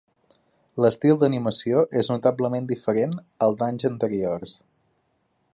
L'estil d'animació és notablement diferent al d'anys anteriors.